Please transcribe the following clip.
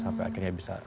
sampai akhirnya bisa